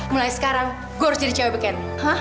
mulai sekarang gue harus jadi cewek bikin